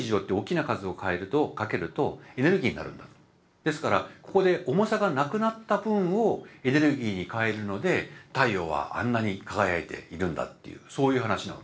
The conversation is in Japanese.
ですからここで重さがなくなった分をエネルギーに変えるので太陽はあんなに輝いているんだっていうそういう話なわけです。